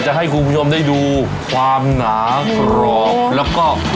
ถามต่อนิดนึงคุณป๊อปค่ะ